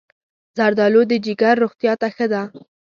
زردالو د جگر روغتیا ته ښه ده.